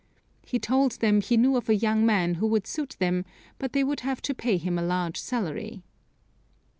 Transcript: He told them he knew of a young man who would suit them, but they would have to pay him a large salary.